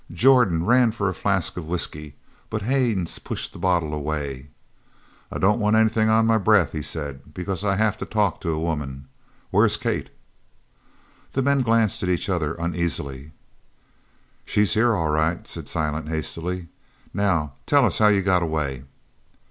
Jordan ran for a flask of whisky, but Haines pushed the bottle away. "I don't want anything on my breath," he said, "because I have to talk to a woman. Where's Kate?" The men glanced at each other uneasily. "She's here, all right," said Silent hastily. "Now tell us how you got away."